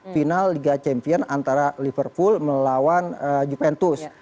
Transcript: final liga champion antara liverpool melawan juventus